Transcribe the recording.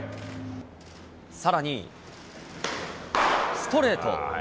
さらに、ストレート。